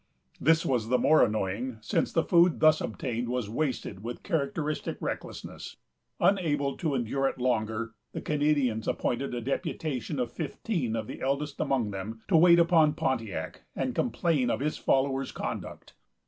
This was the more annoying, since the food thus obtained was wasted with characteristic recklessness. Unable to endure it longer, the Canadians appointed a deputation of fifteen of the eldest among them to wait upon Pontiac, and complain of his followers' conduct.